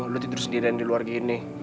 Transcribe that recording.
lu tidur sendirian di luar gini